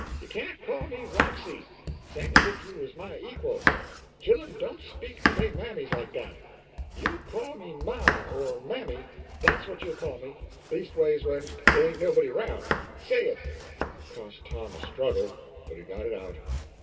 You can't call me Roxy, same as if you was my equal. Chillen don't speak to dey mammies like dat. You'll call me ma or mammy, dat's what you'll call me leastways when dey ain't nobody aroun'. Say it!" It cost Tom a struggle, but he got it out.